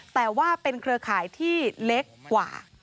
แต่ว่าเป็นเครือข่ายที่เล็กกว่า